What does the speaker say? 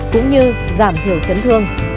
cũng như giảm thiểu chấn thương